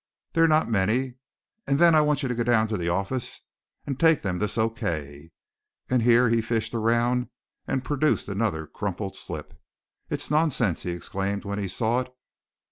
They're not miny. An' thin I waant ye to go down to the ahffice an' take thim this O. K." And here he fished around and produced another crumpled slip. "It's nonsinse!" he exclaimed, when he saw it.